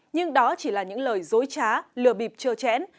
nhưng đó chỉ là những lời dối trá lừa bịp chưa chẽn